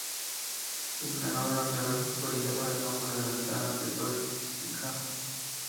El fenómeno geológico lleva el nombre de ventana tectónica.